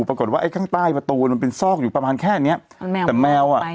ปรากฏว่าไอ้ข้างใต้ประตูมันเป็นซอกอยู่ประมาณแค่เนี้ยแมวแต่แมวอ่ะ